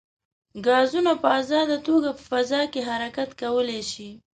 ګازونه په ازاده توګه په فضا کې حرکت کولی شي.